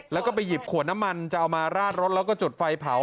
แล้วก็ไปหยิบขวดน้ำมันจะเอามาราดรถแล้วก็จุดไฟเผา